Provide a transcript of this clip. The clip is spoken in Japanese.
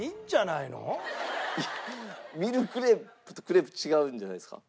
ミルクレープとクレープ違うんじゃないですか？